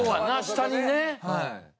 下にね。